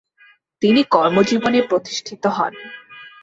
তিনি কর্মজীবনে প্রতিষ্ঠিত হন।